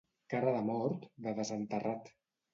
Cara de mort, de desenterrat.